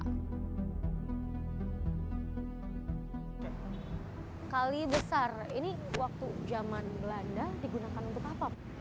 kale besar ini waktu zaman belanda digunakan untuk apa